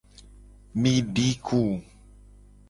Mi di ku.